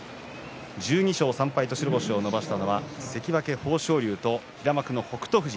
１２勝３敗と白星を伸ばしたのは関脇豊昇龍と平幕の北勝富士